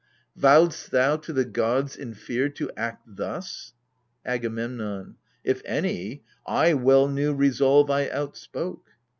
Vowedst thou to the gods, in fear, to act thus ? AGAMEMNON. If any, /well knew resolve I outspoke.